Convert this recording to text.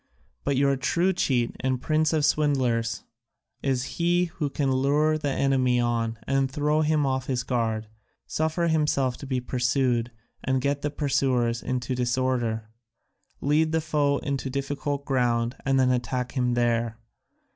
But your true cheat and prince of swindlers is he who can lure the enemy on and throw him off his guard, suffer himself to be pursued and get the pursuers into disorder, lead the foe into difficult ground and then attack him there.